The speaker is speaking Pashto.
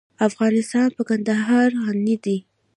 افغانستان په کندهار غني دی.